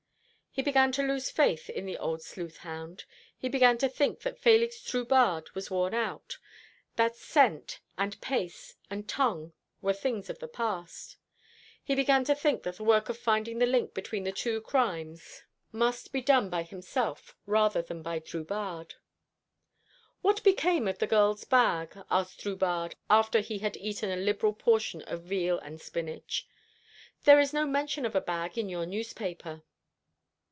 He began to lose faith in the old sleuthhound. He began to think that Félix Drubarde was worn out; that scent, and pace, and tongue were things of the past. He began to think that the work of finding the link between the two crimes must be done by himself rather than by Drubarde. "What became of the girl's bag?" asked Drubarde, after he had eaten a liberal portion of veal and spinach. "There is no mention of a bag in your newspaper."